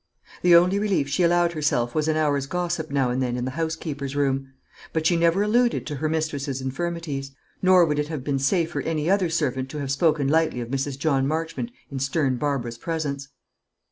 The only relief she allowed herself was an hour's gossip now and then in the housekeeper's room; but she never alluded to her mistress's infirmities, nor would it have been safe for any other servant to have spoken lightly of Mrs. John Marchmont in stern Barbara's presence.